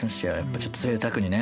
ちょっとぜいたくにね。